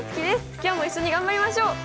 今日も一緒に頑張りましょう。